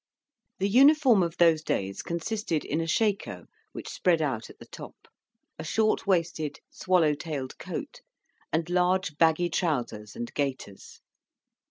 The uniform of those days consisted in a schako, which spread out at the top; a short waisted, swallow tailed coat; and large, baggy trousers and gaiters.